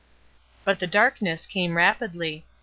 But the darkness came rapidly.